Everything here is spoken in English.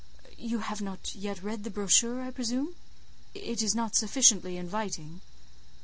—"You have not yet read the brochure, I presume? It is not sufficiently inviting?"